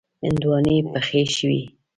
هندواڼی پخې شوې.